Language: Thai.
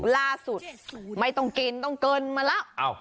ล่าสุดไม่ต้องกินต้องเกินมาแล้ว